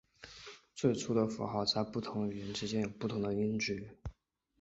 最初的符号在不同语言之间有不同的音值。